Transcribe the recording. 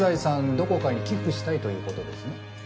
どこかに寄付したいという事ですね。